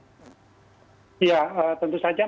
tentu saja memang kita perlu segera melakukan evaluasi terhadap ya